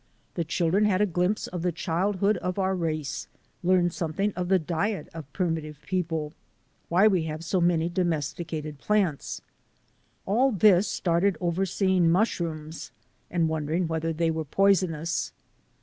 The children had a glimpse of the childhood of our race; learned something of the diet of primitive people; why we have so many domesticated plants. All this started over seeing mushrooms and wondering whether they were poisonous.